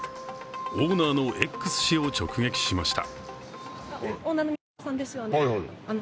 オーナーのＸ氏を直撃しました。